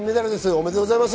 おめでとうございます。